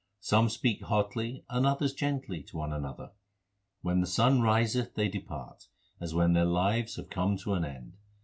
3 Some speak hotly and others gently to one another. When the sun riseth they depart, as when their lives have come to an end.